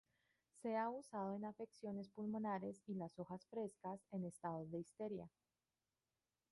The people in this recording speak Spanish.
Se ha usado en afecciones pulmonares y las hojas frescas en estados de histeria.